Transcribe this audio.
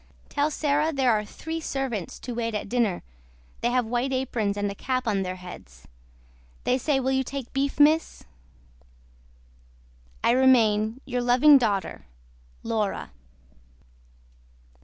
TELL SARAH THERE ARE THREE SERVANTS TO WAIT AT DINNER THEY HAVE WHITE APRONS AND A CAP ON THEIR HEADS. THEY SAY WILL YOU TAKE BEEF MISS I REMAIN YOUR LOVING DAUGHTER LAURA.